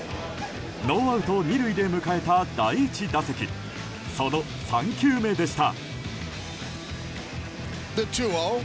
ノーアウト２塁で迎えた第１打席その３球目でした。